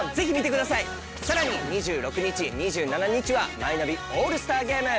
さらに２６日２７日はマイナビオールスターゲーム。